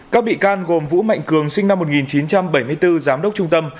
các bị can gồm vũ mạnh cường sinh năm một nghìn chín trăm bảy mươi bốn giám đốc trung tâm